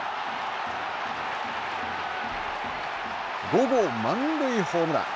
５号満塁ホームラン。